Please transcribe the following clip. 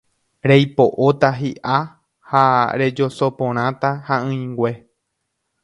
reipo'óta hi'a ha rejosoporãta ha'ỹingue